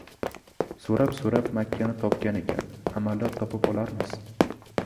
— So‘rab-so‘rab Makkani topgan ekan, amallab topib olarmiz.